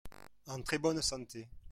En très bonne santé.